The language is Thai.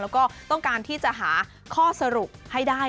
แล้วก็ต้องการที่จะหาข้อสรุปให้ได้